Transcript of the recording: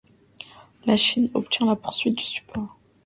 La Chine obtient la poursuite du support.